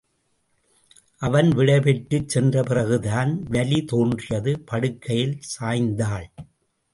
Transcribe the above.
அவன் விடைபெற்றுச் சென்ற பிறகுதான் வலி தோன்றியது படுக்கையில் சாய்ந்தாள்.